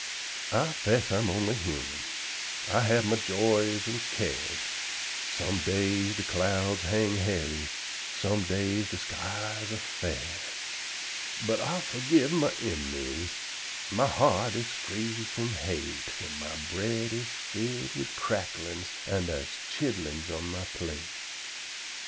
I 'fess I'm only humun, I hab my joys an' cares Sum days de clouds hang hebby, sum days de skies ar' fair; But I forgib my in'miz, my heart is free frum hate, When my bread is filled wid cracklins an' dar's chidlins on my plate.